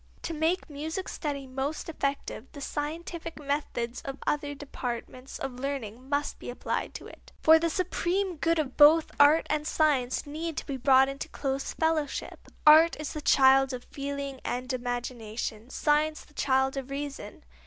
To make music study most effective the scientific methods of other departments of learning must be applied to it. For the supreme good of both art and science need to be brought into close fellowship. Art is the child of feeling and imagination; science the child of reason.